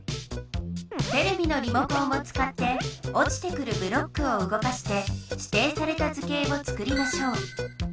テレビのリモコンをつかっておちてくるブロックをうごかしてしていされた図形をつくりましょう。